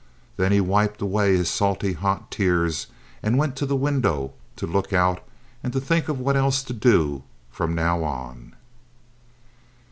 Then he wiped away his salty hot tears, and went to the window to look out and to think of what else to do from now on.